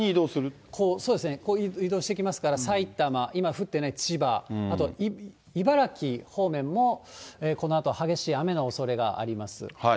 そうですね、移動していきますから、埼玉、今降っていない千葉、あと茨城方面も、このあと激しい雨のおそれがあります。